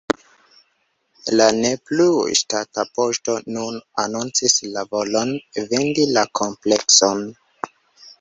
La ne plu ŝtata poŝto nun anoncis la volon vendi la komplekson.